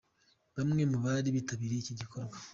Bamwe mu bari bitabiye iki gikorwa.